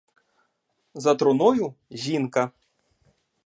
За труною — жінка.